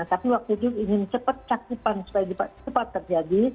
tapi waktu itu ingin cepat cakupan supaya cepat terjadi